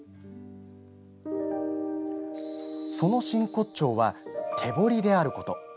その真骨頂は手彫りであること。